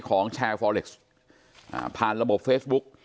ของแชร์ฟอเล็กซ์ผ่านระบบเฟซบุ๊ก